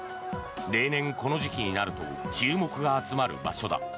例年、この時期になると注目が集まる場所だ。